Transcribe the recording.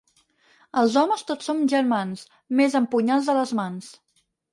Els homes tots som germans, mes amb punyals a les mans.